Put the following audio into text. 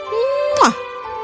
terima kasih banyak